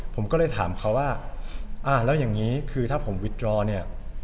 ผมก็เลยถามเขาว่าอ่าแล้วอย่างนี้คือถ้าผมวิดรอเนี่ย